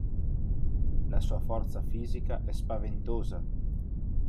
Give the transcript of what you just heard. La sua forza fisica è spaventosa!